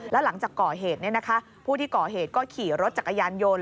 แล้วหลังจากก่อเหตุผู้ที่ก่อเหตุก็ขี่รถจักรยานยนต์